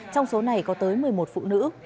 trong số này có tới một mươi một phụ nữ